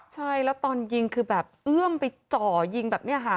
ใช่แล้วตอนยิงคือแบบเอื้อมไปจ่อยิงแบบนี้ค่ะ